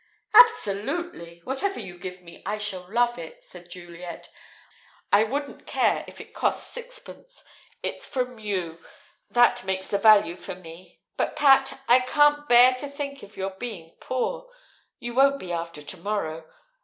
"Absolutely! Whatever you give me, I shall love it," said Juliet. "I wouldn't care if it cost sixpence. It's from you; that makes the value for me. But, Pat, I can't bear to think of your being poor! You won't be after to morrow.